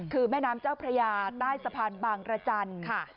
คือแม่น้ำเจ้าพระยาใต้สะพานบางรจันทร์ค่ะ